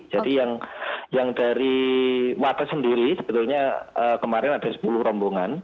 jadi yang dari wates sendiri sebetulnya kemarin ada sepuluh rombongan